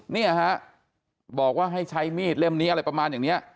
เนี่ยฮะบอกว่าให้ใช้มีดเล่มนี้อะไรประมาณอย่างนี้